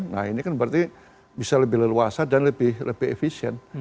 nah ini kan berarti bisa lebih leluasa dan lebih efisien